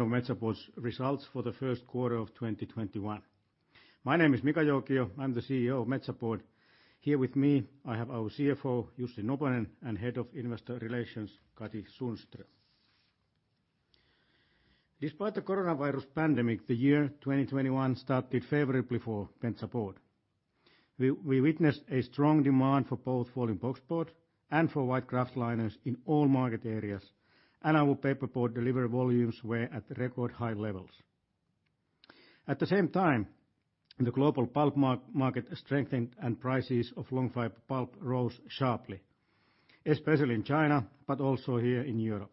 Of Metsä Board's results for the first quarter of 2021. My name is Mika Joukio, I'm the CEO of Metsä Board. Here with me, I have our CFO, Jussi Noponen, and Head of Investor Relations, Katri Sundström. Despite the coronavirus pandemic, the year 2021 started favorably for Metsä Board. We witnessed a strong demand for both folding boxboard and for white kraftliners in all market areas, and our paperboard delivery volumes were at record high levels. At the same time, the global pulp market strengthened and prices of long fiber pulp rose sharply, especially in China, but also here in Europe.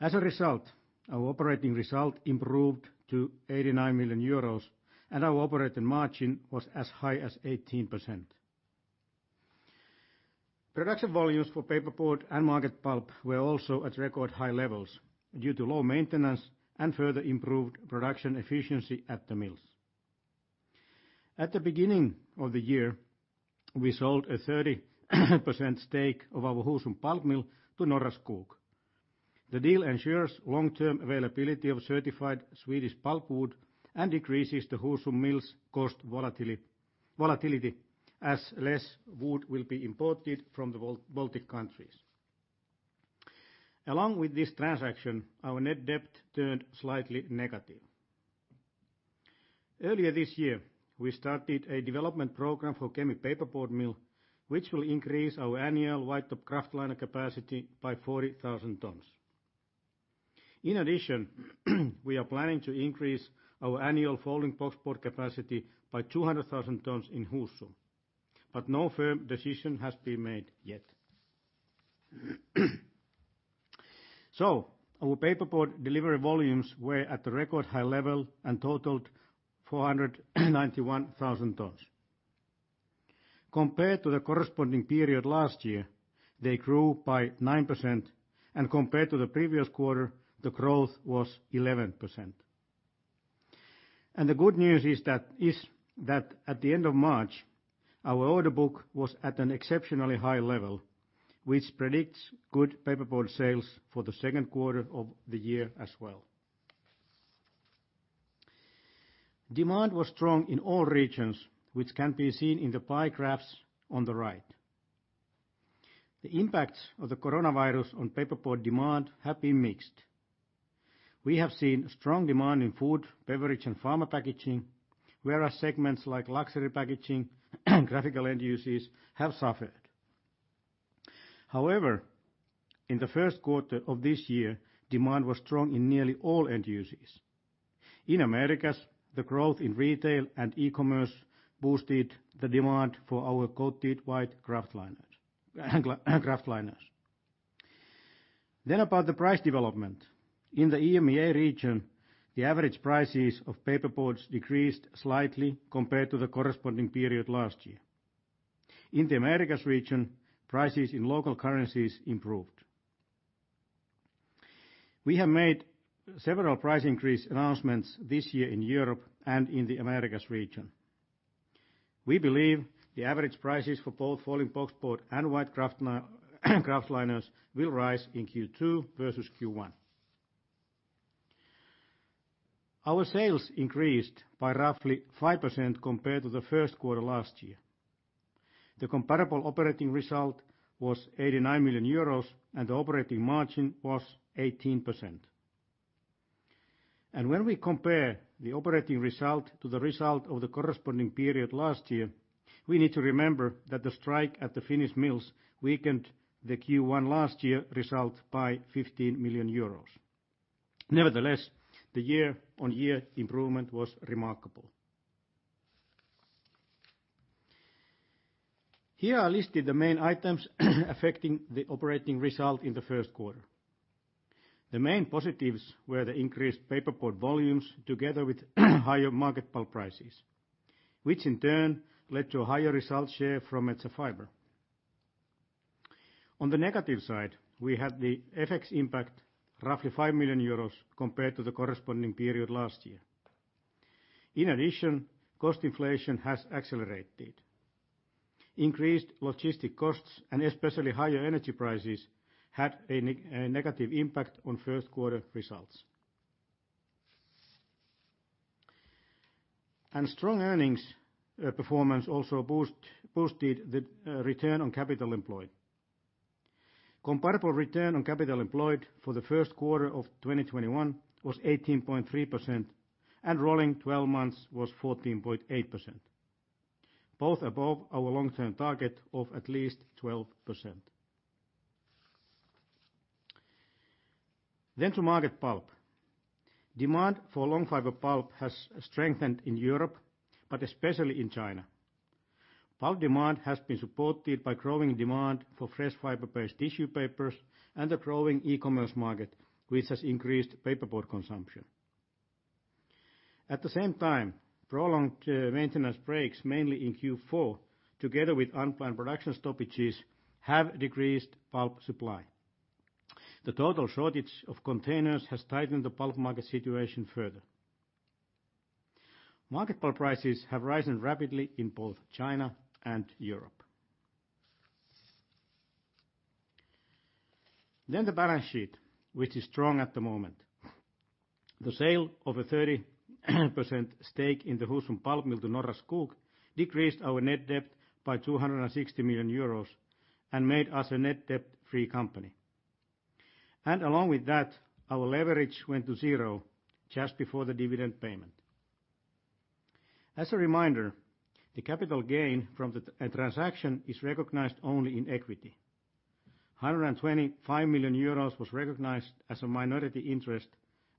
As a result, our operating result improved to 89 million euros, and our operating margin was as high as 18%. Production volumes for paperboard and market pulp were also at record high levels due to low maintenance and further improved production efficiency at the mills. At the beginning of the year, we sold a 30% stake of our Husum pulp mill to Norra Skog. The deal ensures long-term availability of certified Swedish pulp wood and decreases the Husum mill's cost volatility as less wood will be imported from the Baltic countries. Along with this transaction, our net debt turned slightly negative. Earlier this year, we started a development program for Kemi paperboard mill, which will increase our annual white top kraftliner capacity by 40,000 tons. In addition, we are planning to increase our annual folding boxboard capacity by 200,000 tons in Husum, but no firm decision has been made yet. So, our paperboard delivery volumes were at a record high level and totaled 491,000 tons. Compared to the corresponding period last year, they grew by 9%, and compared to the previous quarter, the growth was 11%. The good news is that at the end of March, our order book was at an exceptionally high level, which predicts good paperboard sales for the second quarter of the year as well. Demand was strong in all regions, which can be seen in the pie graphs on the right. The impacts of the coronavirus on paperboard demand have been mixed. We have seen strong demand in food, beverage, and pharma packaging, whereas segments like luxury packaging and graphical end uses have suffered. However, in the first quarter of this year, demand was strong in nearly all end uses. In Americas, the growth in retail and e-commerce boosted the demand for our coated white kraftliners. About the price development. In the EMEA region, the average prices of paperboards decreased slightly compared to the corresponding period last year. In the Americas region, prices in local currencies improved. We have made several price increase announcements this year in Europe and in the Americas region. We believe the average prices for both folding boxboard and white kraft liners will rise in Q2 versus Q1. Our sales increased by roughly 5% compared to the first quarter last year. The comparable operating result was 89 million euros, and the operating margin was 18%. And when we compare the operating result to the result of the corresponding period last year, we need to remember that the strike at the Finnish mills weakened the Q1 last year result by 15 million euros. Nevertheless, the year-on-year improvement was remarkable. Here are listed the main items affecting the operating result in the first quarter. The main positives were the increased paperboard volumes together with higher market pulp prices, which in turn led to a higher result share from Metsä Fibre. On the negative side, we had the FX impact roughly 5 million euros compared to the corresponding period last year. In addition, cost inflation has accelerated. Increased logistic costs and especially higher energy prices had a negative impact on first quarter results. And strong earnings performance also boosted the return on capital employed. Comparable return on capital employed for the first quarter of 2021 was 18.3%, and rolling 12 months was 14.8%. Both above our long-term target of at least 12%. Then to market pulp. Demand for long fiber pulp has strengthened in Europe, but especially in China. Pulp demand has been supported by growing demand for fresh fiber-based tissue papers and the growing e-commerce market, which has increased paperboard consumption. At the same time, prolonged maintenance breaks, mainly in Q4, together with unplanned production stoppages, have decreased pulp supply. The total shortage of containers has tightened the pulp market situation further. Market pulp prices have risen rapidly in both China and Europe. Then the balance sheet, which is strong at the moment. The sale of a 30% stake in the Husum pulp mill to Norra Skog decreased our net debt by 260 million euros and made us a net debt-free company. And along with that, our leverage went to zero just before the dividend payment. As a reminder, the capital gain from the transaction is recognized only in equity. 125 million euros was recognized as a minority interest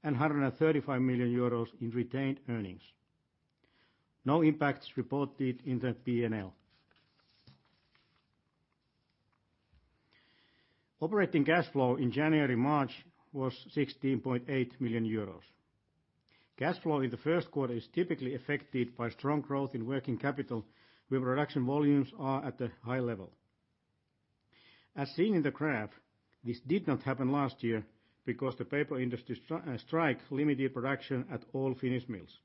and 135 million euros in retained earnings. No impacts reported in the P&L. Operating cash flow in January-March was 16.8 million euros. Cash flow in the first quarter is typically affected by strong growth in working capital, where production volumes are at a high level. As seen in the graph, this did not happen last year because the paper industry strike limited production at all Finnish mills.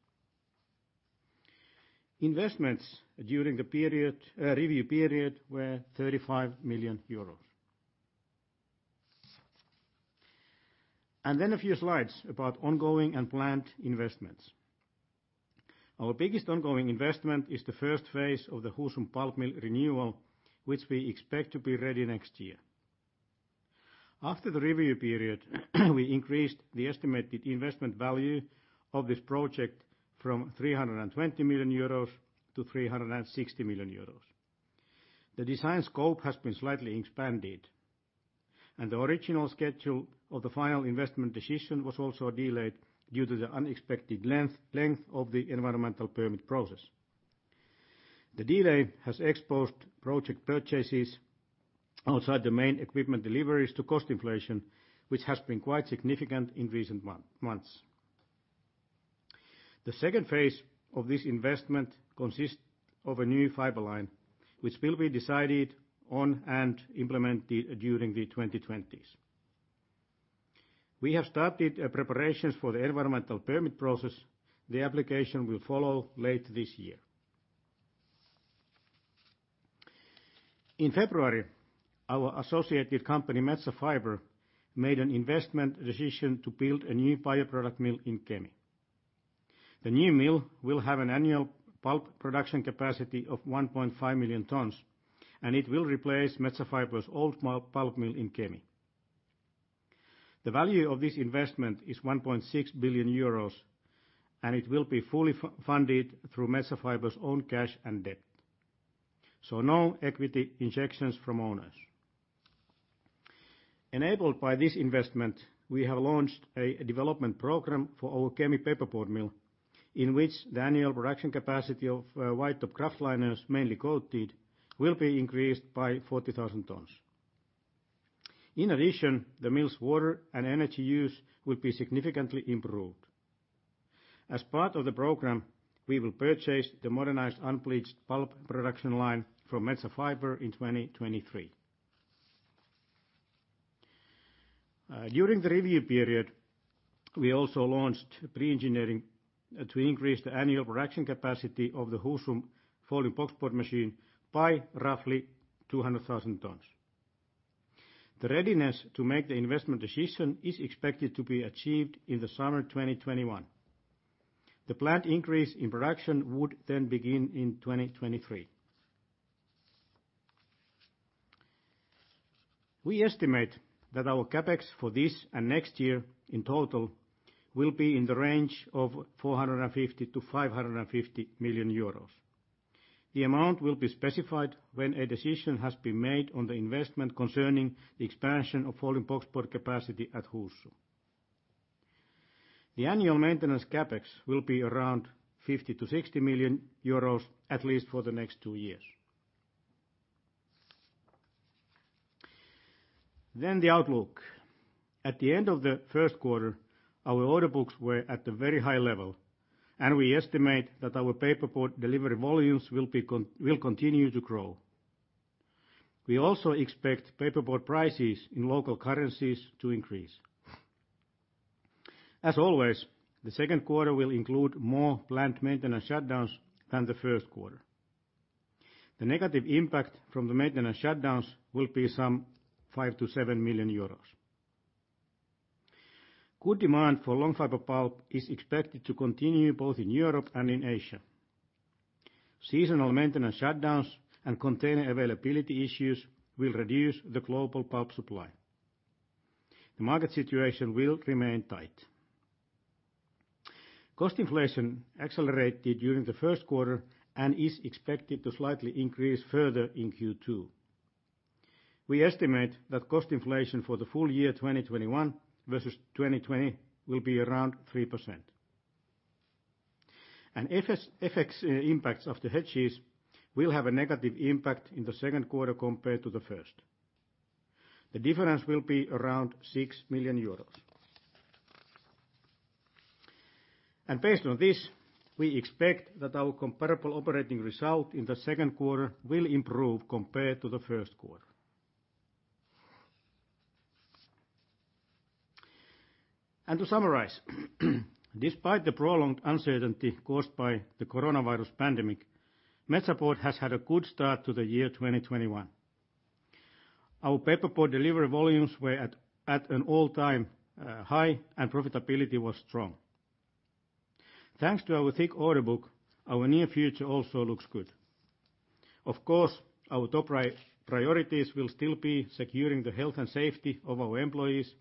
Investments during the review period were 35 million EUR. And then a few slides about ongoing and planned investments. Our biggest ongoing investment is the first phase of the Husum pulp mill renewal, which we expect to be ready next year. After the review period, we increased the estimated investment value of this project from 320 million euros to 360 million euros. The design scope has been slightly expanded, and the original schedule of the final investment decision was also delayed due to the unexpected length of the environmental permit process. The delay has exposed project purchases outside the main equipment deliveries to cost inflation, which has been quite significant in recent months. The second phase of this investment consists of a new fiber line, which will be decided on and implemented during the 2020s. We have started preparations for the environmental permit process. The application will follow late this year. In February, our associated company, Metsä Fibre, made an investment decision to build a new bioproduct mill in Kemi. The new mill will have an annual pulp production capacity of 1.5 million tons, and it will replace Metsä Fibre's old pulp mill in Kemi. The value of this investment is 1.6 billion euros, and it will be fully funded through Metsä Fibre's own cash and debt. So no equity injections from owners. Enabled by this investment, we have launched a development program for our Kemi paperboard mill, in which the annual production capacity of white top kraftliners, mainly coated, will be increased by 40,000 tons. In addition, the mill's water and energy use will be significantly improved. As part of the program, we will purchase the modernized unbleached pulp production line from Metsä Fibre in 2023. During the review period, we also launched pre-engineering to increase the annual production capacity of the Husum folding boxboard machine by roughly 200,000 tons. The readiness to make the investment decision is expected to be achieved in the summer 2021. The planned increase in production would then begin in 2023. We estimate that our CapEx for this and next year in total will be in the range of 450 million-550 million euros. The amount will be specified when a decision has been made on the investment concerning the expansion of folding boxboard capacity at Husum. The annual maintenance CapEx will be around 50-60 million euros, at least for the next two years. Then the outlook. At the end of the first quarter, our order books were at a very high level, and we estimate that our paperboard delivery volumes will continue to grow. We also expect paperboard prices in local currencies to increase. As always, the second quarter will include more planned maintenance shutdowns than the first quarter. The negative impact from the maintenance shutdowns will be some 5-7 million euros. Good demand for long fiber pulp is expected to continue both in Europe and in Asia. Seasonal maintenance shutdowns and container availability issues will reduce the global pulp supply. The market situation will remain tight. Cost inflation accelerated during the first quarter and is expected to slightly increase further in Q2. We estimate that cost inflation for the full year 2021 versus 2020 will be around 3%, and FX impacts of the hedges will have a negative impact in the second quarter compared to the first. The difference will be around 6 million euros, and based on this, we expect that our comparable operating result in the second quarter will improve compared to the first quarter, and to summarize, despite the prolonged uncertainty caused by the coronavirus pandemic, Metsä Board has had a good start to the year 2021. Our paperboard delivery volumes were at an all-time high, and profitability was strong. Thanks to our thick order book, our near future also looks good. Of course, our top priorities will still be securing the health and safety of our employees,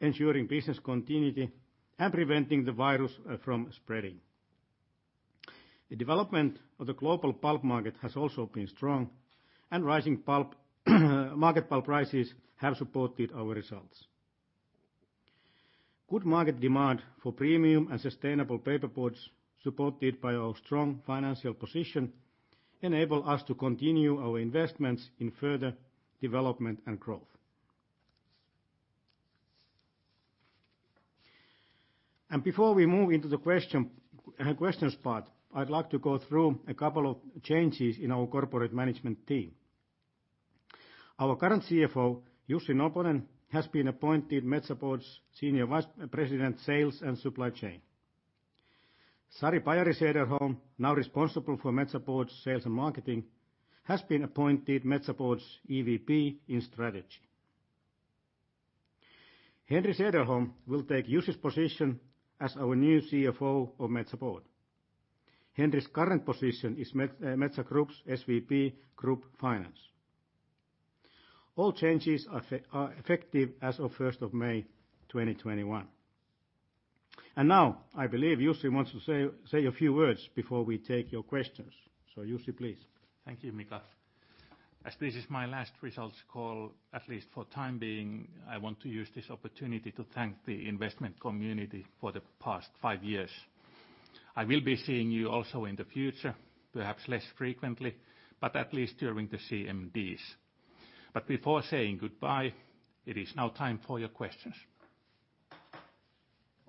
ensuring business continuity, and preventing the virus from spreading. The development of the global pulp market has also been strong, and rising market pulp prices have supported our results. Good market demand for premium and sustainable paper boards, supported by our strong financial position, enables us to continue our investments in further development and growth. And before we move into the questions part, I'd like to go through a couple of changes in our corporate management team. Our current CFO, Jussi Noponen, has been appointed Metsä Board's Senior Vice President, Sales and Supply Chain. Sari Pajari-Sederholm, now responsible for Metsä Board's sales and marketing, has been appointed Metsä Board's EVP in strategy. Henri Sederholm will take Jussi's position as our new CFO of Metsä Board. Henri's current position is Metsä Group's SVP Group Finance. All changes are effective as of 1 May 2021, and now I believe Jussi wants to say a few words before we take your questions, so Jussi, please. Thank you, Mika. As this is my last results call, at least for the time being, I want to use this opportunity to thank the investment community for the past five years. I will be seeing you also in the future, perhaps less frequently, but at least during the CMDs, but before saying goodbye, it is now time for your questions.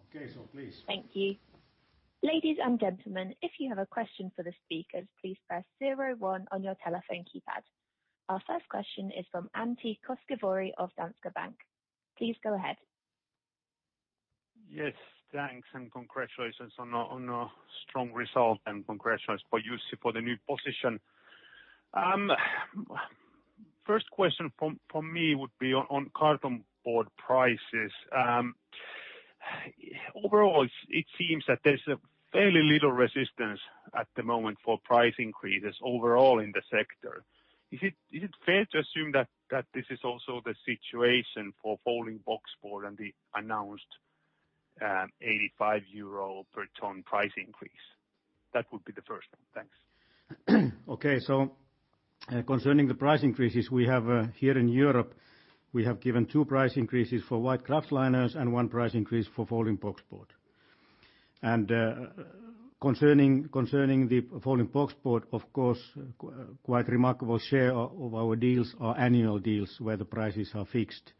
Okay, so please. Thank you. Ladies and gentlemen, if you have a question for the speakers, please press zero one on your telephone keypad. Our first question is from Antti Koskivuori of Danske Bank. Please go ahead. Yes, thanks, and congratulations on a strong result, and congratulations for Jussi for the new position. First question for me would be on cartonboard prices. Overall, it seems that there's fairly little resistance at the moment for price increases overall in the sector. Is it fair to assume that this is also the situation for folding boxboard and the announced 85 euro per ton price increase? That would be the first one. Thanks. Okay, so concerning the price increases, we have here in Europe, we have given two price increases for white kraft liners and one price increase for folding boxboard. Concerning the folding boxboard, of course, quite a remarkable share of our deals are annual deals where the prices are fixed.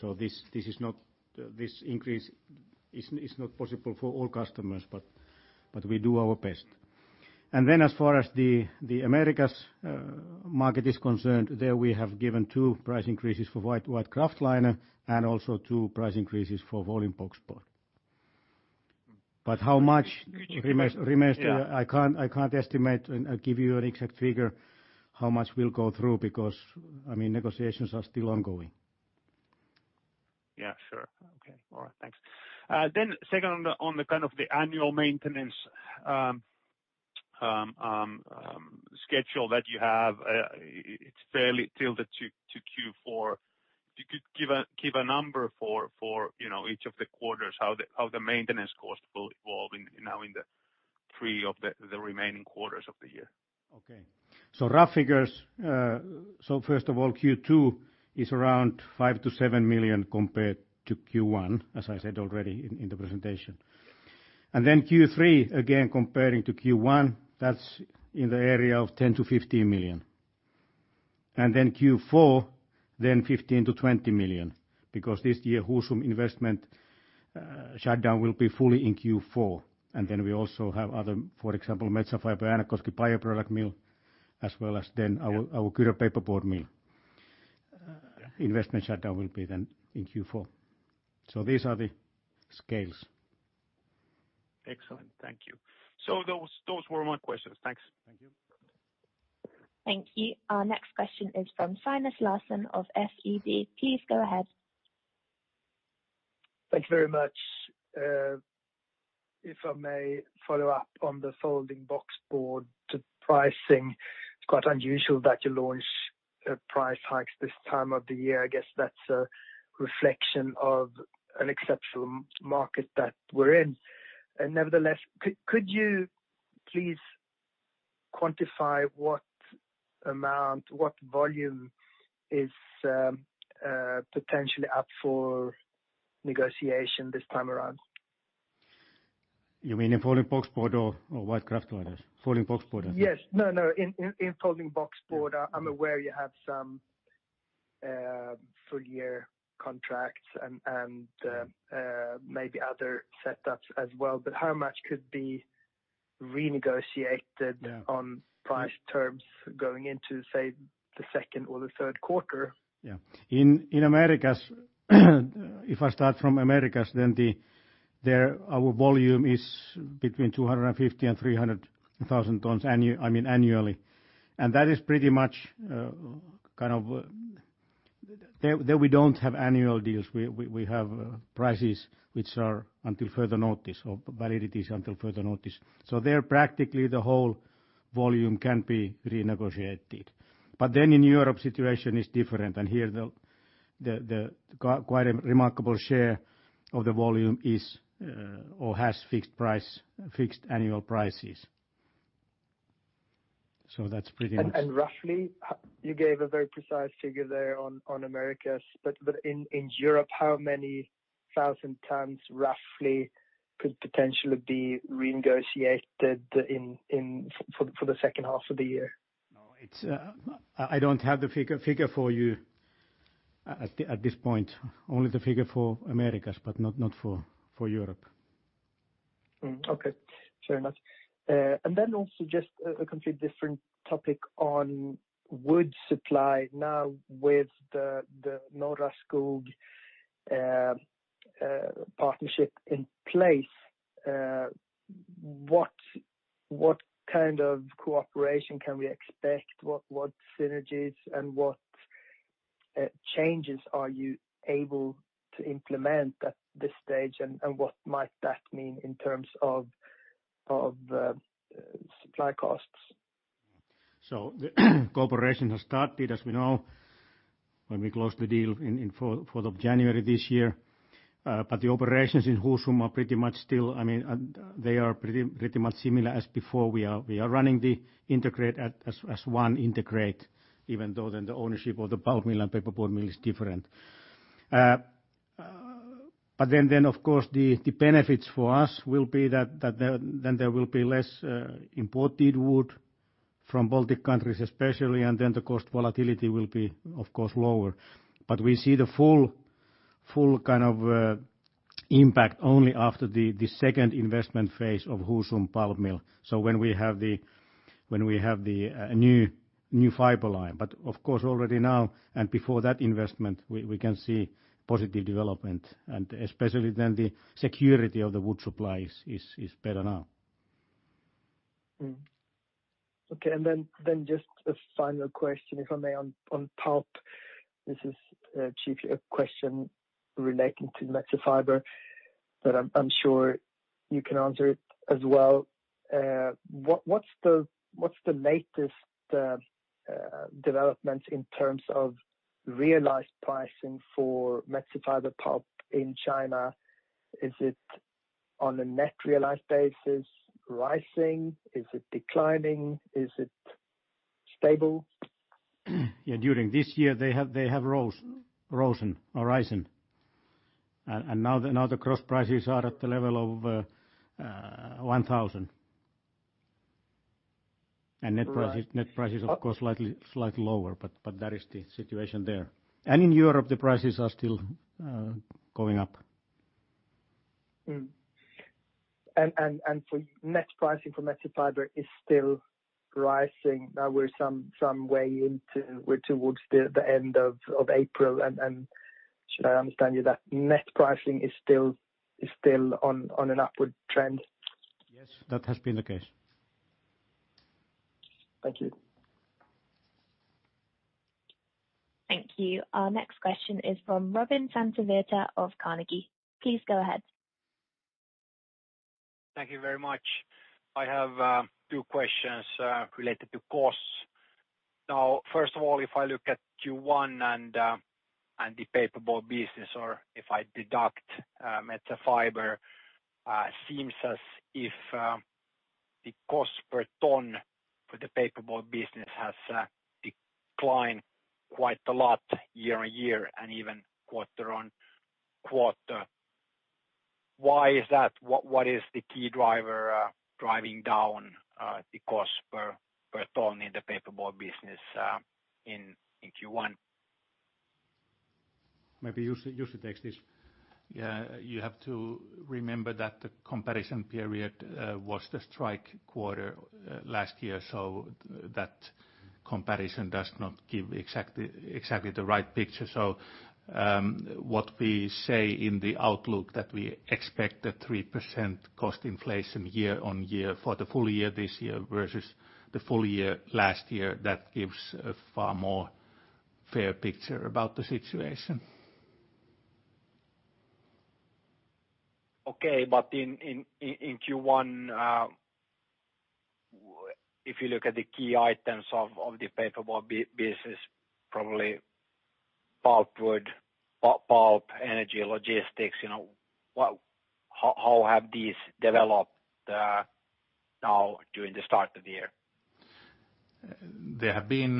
So this increase is not possible for all customers, but we do our best. And then as far as the Americas market is concerned, there we have given two price increases for white kraft liner and also two price increases for folding boxboard. But how much remains, I can't estimate and give you an exact figure how much will go through because, I mean, negotiations are still ongoing. Yeah, sure. Okay, all right, thanks. Then second on the kind of the annual maintenance schedule that you have, it's fairly tilted to Q4. If you could give a number for each of the quarters, how the maintenance cost will evolve now in the three of the remaining quarters of the year. Okay. So rough figures, so first of all, Q2 is around 5-7 million compared to Q1, as I said already in the presentation. And then Q3, again comparing to Q1, that's in the area of 10-15 million. Then Q4, then 15-20 million because this year Husum investment shutdown will be fully in Q4. Then we also have other, for example, Metsä Fibre, Äänekoski bioproduct mill, as well as then our Kyrö paperboard mill. Investment shutdown will be then in Q4. So these are the scales. Excellent, thank you. So those were my questions. Thank you. Thank you. Our next question is from Linus Larsson of SEB. Please go ahead. Thank you very much. If I may follow up on the folding boxboard pricing, it's quite unusual that you launch price hikes this time of the year. I guess that's a reflection of an exceptional market that we're in. Nevertheless, could you please quantify what amount, what volume is potentially up for negotiation this time around? You mean in folding boxboard or white kraft liners? Folding boxboard? Yes. No, no. In folding boxboard, I'm aware you have some full-year contracts and maybe other setups as well, but how much could be renegotiated on price terms going into, say, the second or the third quarter? Yeah. In Americas, if I start from Americas, then our volume is between 250,000 and 300,000 tons, I mean, annually. And that is pretty much kind of there we don't have annual deals. We have prices which are until further notice or validities until further notice. So there practically the whole volume can be renegotiated. But then in Europe, the situation is different, and here quite a remarkable share of the volume is or has fixed annual prices. So that's pretty much. And roughly, you gave a very precise figure there on Americas, but in Europe, how many thousand tons roughly could potentially be renegotiated for the second half of the year? I don't have the figure for you at this point. Only the figure for Americas, but not for Europe. Okay, fair enough. Then also just a completely different topic on wood supply. Now, with the Norra Skog partnership in place, what kind of cooperation can we expect? What synergies and what changes are you able to implement at this stage, and what might that mean in terms of supply costs? The cooperation has started, as we know, when we closed the deal in the 4th of January this year. The operations in Husum are pretty much still, I mean, they are pretty much similar as before. We are running the integrated as one integrated, even though then the ownership of the pulp mill and paperboard mill is different. But then, of course, the benefits for us will be that then there will be less imported wood from Baltic countries, especially, and then the cost volatility will be, of course, lower. But we see the full kind of impact only after the second investment phase of Husum pulp mill, so when we have the new fiber line. But of course, already now and before that investment, we can see positive development, and especially then the security of the wood supply is better now. Okay, and then just a final question, if I may, on pulp. This is chiefly a question relating to Metsä Fibre, but I'm sure you can answer it as well. What's the latest developments in terms of realized pricing for Metsä Fibre Pulp in China? Is it on a net realized basis? Rising? Is it declining? Is it stable? Yeah, during this year, they have risen. And now the gross prices are at the level of 1,000. And net prices, of course, slightly lower, but that is the situation there. And in Europe, the prices are still going up. And for net pricing for Metsä Fibre, it's still rising. Now we're some way into, we're towards the end of April, and should I understand you that net pricing is still on an upward trend? Yes, that has been the case. Thank you. Thank you. Our next question is from Robin Santavirta of Carnegie. Please go ahead. Thank you very much. I have two questions related to costs. Now, first of all, if I look at Q1 and the paperboard business, or if I deduct Metsä Fibre, it seems as if the cost per ton for the paperboard business has declined quite a lot year-on-year and even quarter on quarter. Why is that? What is the key driver driving down the cost per ton in the paperboard business in Q1? Maybe Jussi takes this. You have to remember that the comparison period was the strike quarter last year, so that comparison does not give exactly the right picture. So what we say in the outlook that we expect a 3% cost inflation year-on-year for the full year this year versus the full year last year, that gives a far more fair picture about the situation. Okay, but in Q1, if you look at the key items of the paperboard business, probably pulp wood, pulp energy, logistics, how have these developed now during the start of the year? There have been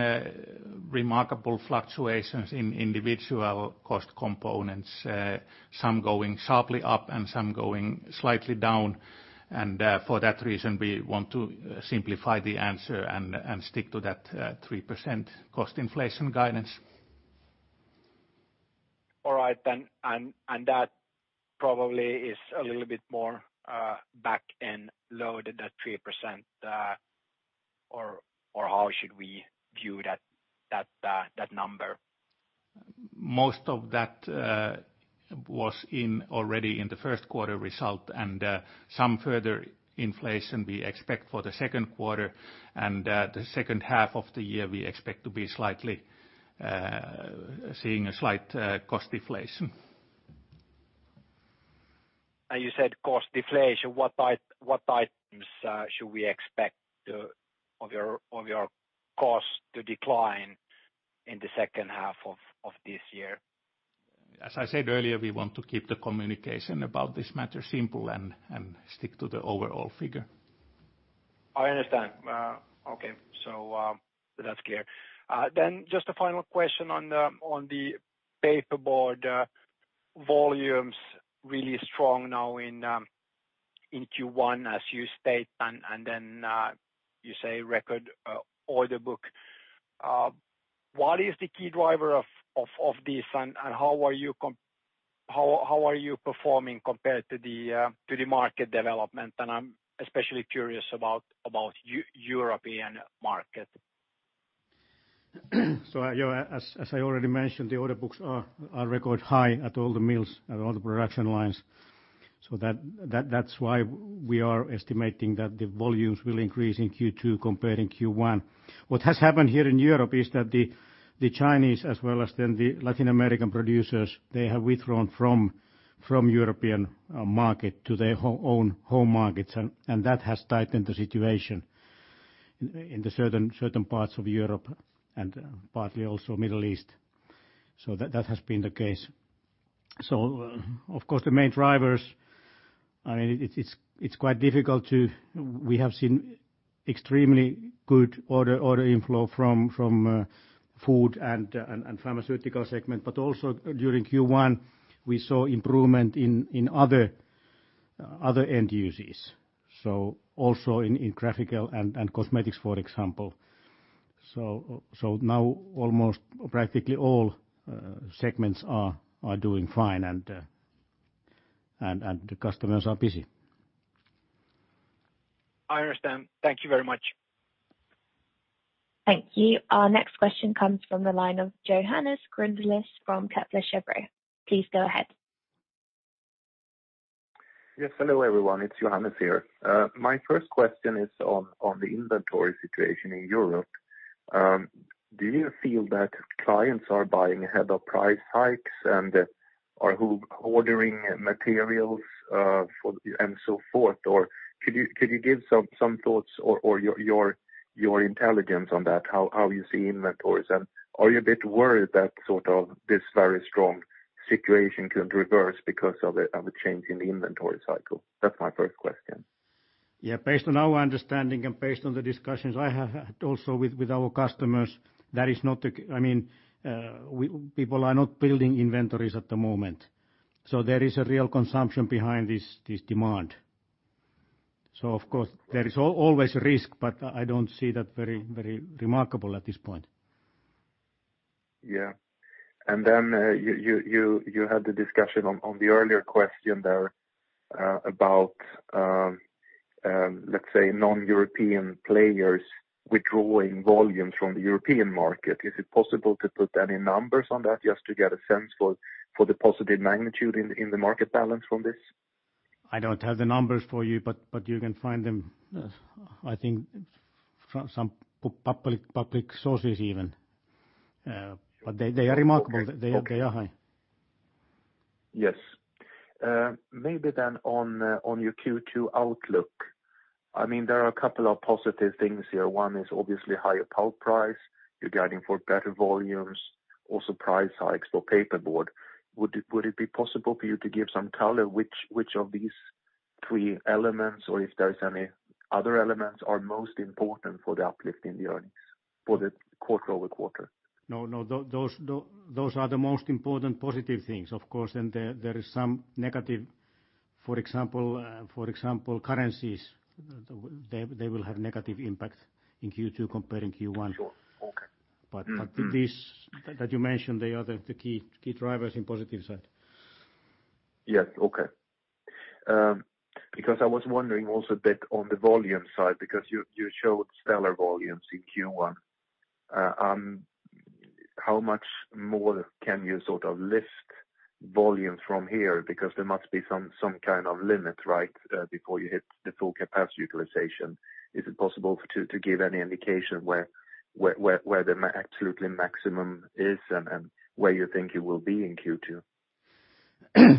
remarkable fluctuations in individual cost components, some going sharply up and some going slightly down, and for that reason, we want to simplify the answer and stick to that 3% cost inflation guidance. All right, and that probably is a little bit more back-end loaded, that 3%, or how should we view that number? Most of that was already in the first quarter result, and some further inflation we expect for the second quarter, and the second half of the year, we expect to see a slight cost deflation. And you said cost deflation. What items should we expect your costs to decline in the second half of this year? As I said earlier, we want to keep the communication about this matter simple and stick to the overall figure. I understand. Okay, so that's clear. Then just a final question on the paperboard volumes, really strong now in Q1, as you state, and then you say record order book. What is the key driver of this, and how are you performing compared to the market development? And I'm especially curious about the European market. So as I already mentioned, the order books are record high at all the mills and all the production lines. So that's why we are estimating that the volumes will increase in Q2 compared to Q1. What has happened here in Europe is that the Chinese, as well as then the Latin American producers, they have withdrawn from the European market to their own home markets, and that has tightened the situation in certain parts of Europe and partly also the Middle East. So that has been the case. So of course, the main drivers, I mean, it's quite difficult to we have seen extremely good order inflow from food and pharmaceutical segment, but also during Q1, we saw improvement in other end uses, so also in graphical and cosmetics, for example. So now almost practically all segments are doing fine, and the customers are busy. I understand. Thank you very much. Thank you. Our next question comes from the line of Johannes Grunselius from Kepler Cheuvreux. Please go ahead. Yes, hello everyone, it's Johannes here. My first question is on the inventory situation in Europe. Do you feel that clients are buying ahead of price hikes and are ordering materials and so forth? Or could you give some thoughts or your intelligence on that, how you see inventories? And are you a bit worried that sort of this very strong situation could reverse because of a change in the inventory cycle? That's my first question. Yeah, based on our understanding and based on the discussions I had also with our customers, that is not the, I mean, people are not building inventories at the moment. So there is a real consumption behind this demand. So of course, there is always a risk, but I don't see that very remarkable at this point. Yeah. And then you had the discussion on the earlier question there about, let's say, non-European players withdrawing volumes from the European market. Is it possible to put any numbers on that just to get a sense for the positive magnitude in the market balance from this? I don't have the numbers for you, but you can find them, I think, from some public sources even. But they are remarkable. They are high. Yes. Maybe then on your Q2 outlook, I mean, there are a couple of positive things here. One is obviously higher pulp price. You're guiding for better volumes, also price hikes for paperboard. Would it be possible for you to give some color which of these three elements, or if there are any other elements, are most important for the uplift in the earnings for the quarter over quarter? No, no. Those are the most important positive things, of course. And there is some negative, for example, currencies. They will have a negative impact in Q2 compared to Q1. But that you mentioned, they are the key drivers in the positive side. Yes, okay. Because I was wondering also a bit on the volume side, because you showed stellar volumes in Q1. How much more can you sort of lift volume from here? Because there must be some kind of limit, right, before you hit the full capacity utilization. Is it possible to give any indication where the absolute maximum is and where you think you will be in Q2?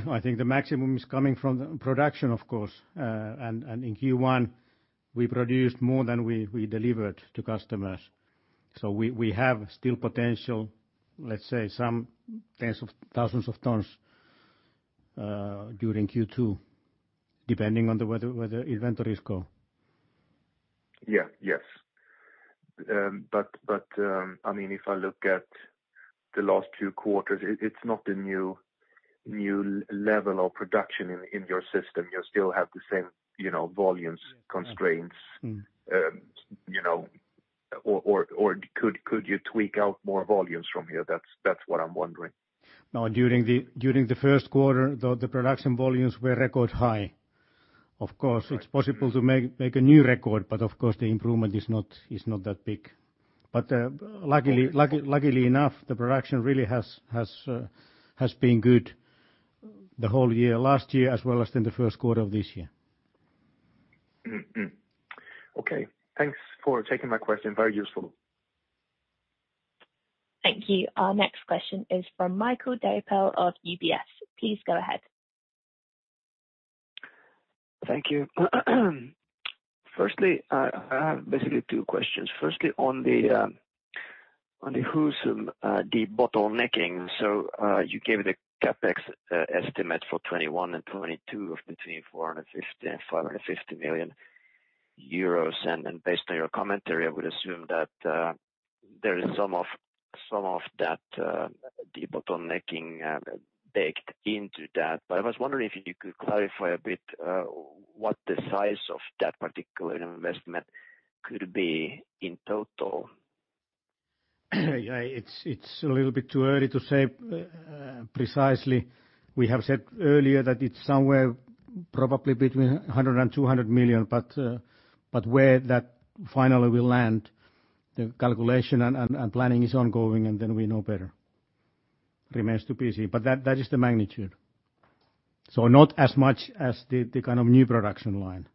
I think the maximum is coming from production, of course. And in Q1, we produced more than we delivered to customers. So we have still potential, let's say, some tens of thousands of tons during Q2, depending on where the inventories go. Yeah, yes. But I mean, if I look at the last two quarters, it's not a new level of production in your system. You still have the same volumes constraints. Or could you tweak out more volumes from here? That's what I'm wondering. Now, during the first quarter, the production volumes were record high. Of course, it's possible to make a new record, but of course, the improvement is not that big. But luckily enough, the production really has been good the whole year, last year as well as then the first quarter of this year. Okay. Thanks for taking my question. Very useful. Thank you. Our next question is from Mikael Doepel of UBS. Please go ahead. Thank you. Firstly, I have basically two questions. Firstly, on the Husum, the bottlenecking. So you gave the CapEx estimate for 2021 and 2022 of between 450 million and 550 million euros. And based on your commentary, I would assume that there is some of that bottlenecking baked into that. But I was wondering if you could clarify a bit what the size of that particular investment could be in total. It's a little bit too early to say precisely. We have said earlier that it's somewhere probably between 100 million and 200 million, but where that finally will land, the calculation and planning is ongoing, and then we know better. Remains to be seen. But that is the magnitude. So not as much as the kind of new production line.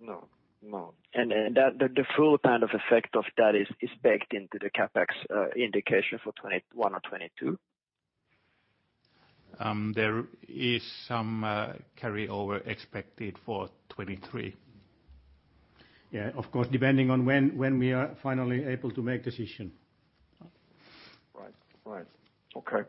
No, no. And the full kind of effect of that is baked into the CapEx indication for 2021 or 2022? There is some carryover expected for 2023. Yeah, of course, depending on when we are finally able to make a decision. Right, right. Okay.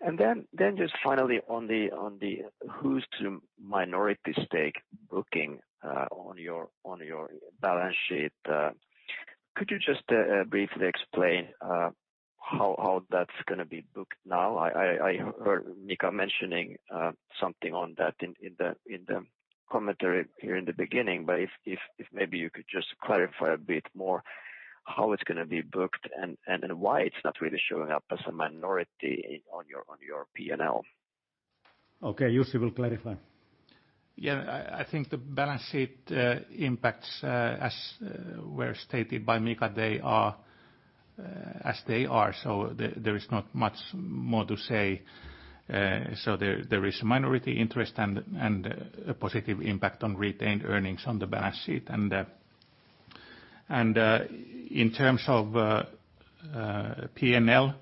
And then just finally on the Husum minority stake booking on your balance sheet, could you just briefly explain how that's going to be booked now? I heard Mika mentioning something on that in the commentary here in the beginning, but if maybe you could just clarify a bit more how it's going to be booked and why it's not really showing up as a minority on your P&L? Okay, Jussi will clarify. Yeah, I think the balance sheet impacts, as were stated by Mika, they are as they are. So there is not much more to say. So there is a minority interest and a positive impact on retained earnings on the balance sheet. And in terms of P&L,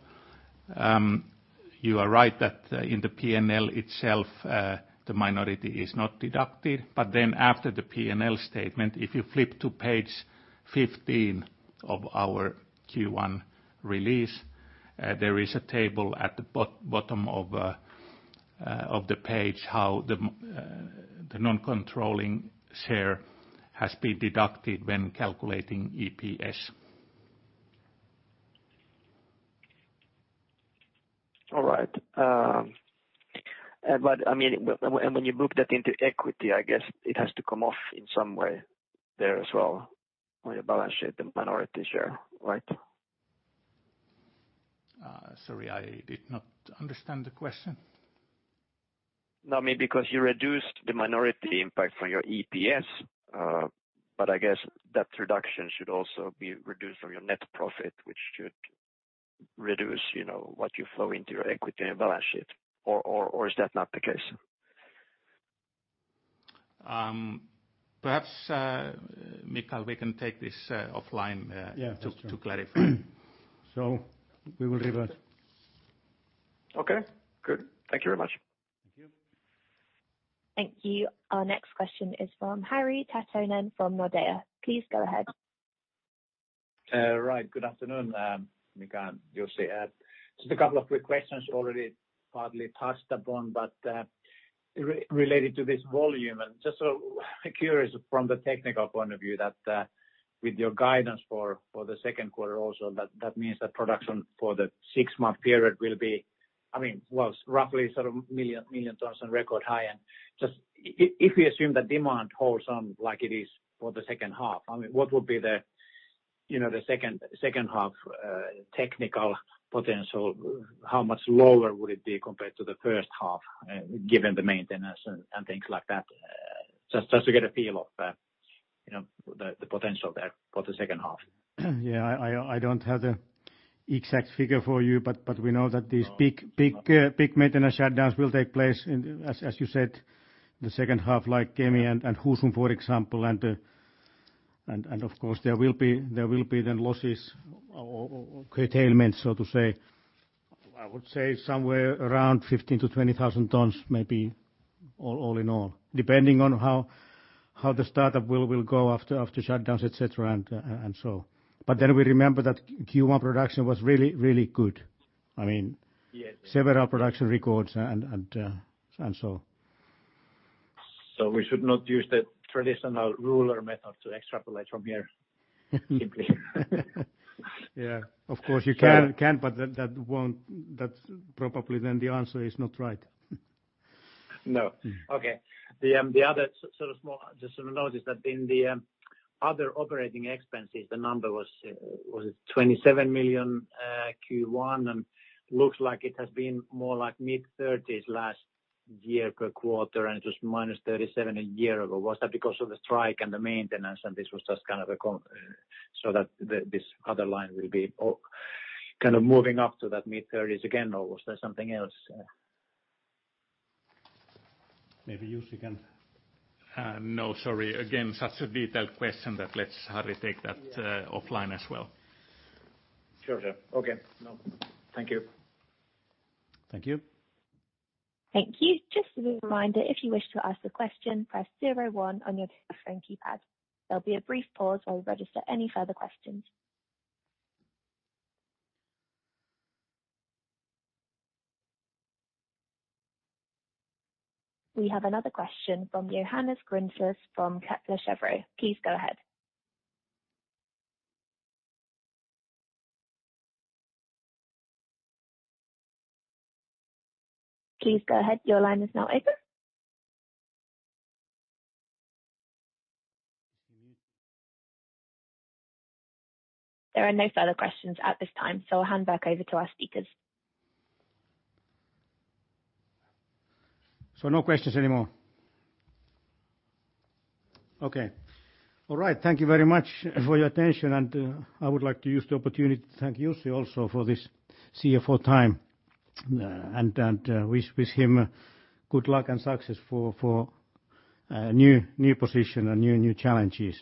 you are right that in the P&L itself, the minority is not deducted. But then after the P&L statement, if you flip to page 15 of our Q1 release, there is a table at the bottom of the page how the non-controlling share has been deducted when calculating EPS. All right. But I mean, and when you book that into equity, I guess it has to come off in some way there as well on your balance sheet, the minority share, right? Sorry, I did not understand the question. No, I mean, because you reduced the minority impact from your EPS, but I guess that reduction should also be reduced from your net profit, which should reduce what you flow into your equity and balance sheet. Or is that not the case? Perhaps, Mika, we can take this offline to clarify. So we will revert. Okay, good. Thank you very much. Thank you. Our next question is from Harri Taittonen from Nordea. Please go ahead. Right, good afternoon, Mika and Jussi. Just a couple of quick questions already partly touched upon, but related to this volume, and just curious from the technical point of view that with your guidance for the second quarter also, that means that production for the six-month period will be, I mean, well, roughly sort of million tons on record high. And just if you assume that demand holds on like it is for the second half, I mean, what would be the second half technical potential? How much lower would it be compared to the first half, given the maintenance and things like that? Just to get a feel of the potential there for the second half. Yeah, I don't have the exact figure for you, but we know that these big maintenance shutdowns will take place, as you said, the second half, like Kemi and Husum, for example. Of course, there will be then losses or curtailments, so to say. I would say somewhere around 15-20 thousand tons, maybe all in all, depending on how the startup will go after shutdowns, etc., and so. Then we remember that Q1 production was really, really good. I mean, several production records and so. We should not use the traditional rule-of-thumb method to extrapolate from here, simply. Yeah, of course, you can, but that probably then the answer is not right. No. Okay. The other sort of small just to note is that in the other operating expenses, the number was, was it 27 million in Q1? It looks like it has been more like mid-30s last year per quarter, and it was -37 million a year ago. Was that because of the strike and the maintenance, and this was just kind of a so that this other line will be kind of moving up to that mid-30s again, or was there something else? Maybe Jussi can— no, sorry. Again, such a detailed question that let's hurry take that offline as well. Sure, sure. Okay. No, thank you. Thank you. Thank you. Just as a reminder, if you wish to ask a question, press 01 on your keypad. There'll be a brief pause while we register any further questions. We have another question from Johannes Grunselius from Kepler Cheuvreux. Please go ahead. Please go ahead. Your line is now open. There are no further questions at this time, so I'll hand back over to our speakers. So no questions anymore. Okay. All right. Thank you very much for your attention, and I would like to use the opportunity to thank Jussi also for this CFO time and wish him good luck and success for new position and new challenges,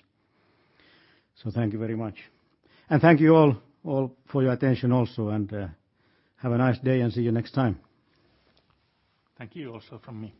so thank you very much, and thank you all for your attention also, and have a nice day and see you next time. Thank you also from me.